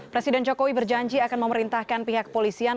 presiden jokowi berjanji akan memerintahkan pihak polisian